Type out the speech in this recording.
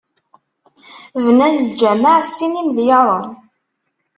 Bnan lǧameɛ s sin imelyaren.